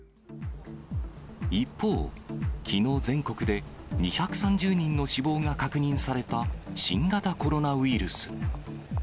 一方、きのう、全国で２３０人の死亡が確認された、新型コロナウイルス。